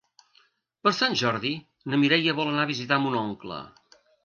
Per Sant Jordi na Mireia vol anar a visitar mon oncle.